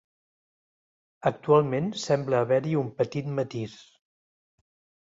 Actualment sembla haver-hi un petit matís.